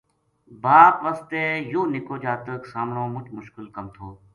باپ واسطے یوہ نِکو جاتک سامنو مُچ مشکل کَم تھو